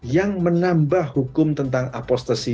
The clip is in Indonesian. yang menambah hukum tentang apostensi